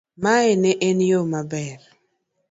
mae ne en yo maber